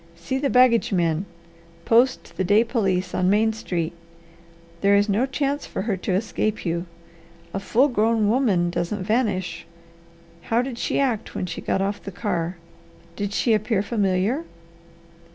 See the baggagemen. Post the day police on Main Street. There is no chance for her to escape you. A full grown woman doesn't vanish. How did she act when she got off the car? Did she appear familiar?"